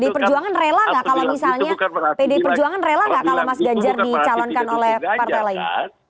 pdi perjuangan rela gak kalau misalnya mas ganjar dicalonkan oleh partai lain